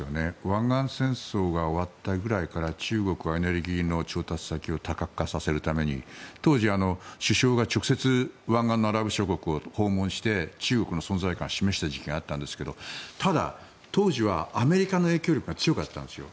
湾岸戦争が終わったぐらいから中国はエネルギーの調達先を多角化させるために当時、首相が直接湾岸のアラブ諸国を訪問して中国の存在感を示した時期があったんですがただ、当時はアメリカの影響力が強かったんですよ。